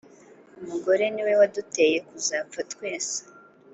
umugore ni we waduteye kuzapfa twese.